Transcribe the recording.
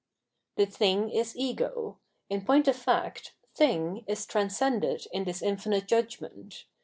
The thing is ego. In point of fact, thing is transcended in this infinite judgment.